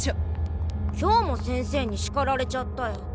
今日も先生にしかられちゃったよ。